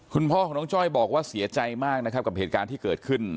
คุณพ่อของน้องจ้อยบอกว่าเสียใจมากนะครับกับเหตุการณ์ที่เกิดขึ้น